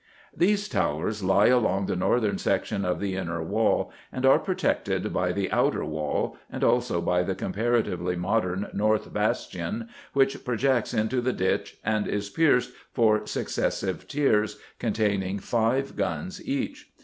_ These towers lie along the northern section of the Inner Wall and are protected by the Outer Wall, and also by the comparatively modern North Bastion which projects into the ditch and is pierced for successive tiers, containing five guns each.